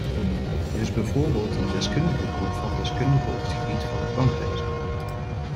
Er is bijvoorbeeld een deskundigengroep van deskundigen op het gebied van het bankwezen.